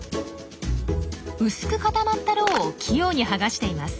薄く固まった蝋を器用にがしています。